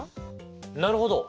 なるほど！